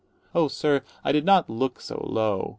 _ Oh, sir, I did not look so low.